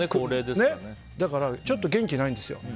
だからちょっと元気ないんですよ。